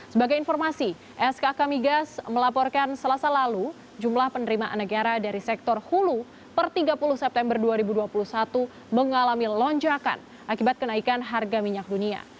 sebagai informasi skk migas melaporkan selasa lalu jumlah penerimaan negara dari sektor hulu per tiga puluh september dua ribu dua puluh satu mengalami lonjakan akibat kenaikan harga minyak dunia